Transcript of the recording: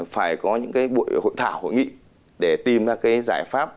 phải có những cái buổi hội thảo hội nghị để tìm ra cái giải pháp